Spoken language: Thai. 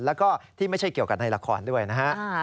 แล้วก็ที่ไม่ใช่เกี่ยวกับในละครด้วยนะฮะ